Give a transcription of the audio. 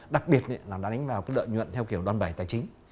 đặc biệt là nó đánh vào cái lợi nhuận theo kiểu đoan bảy tài chính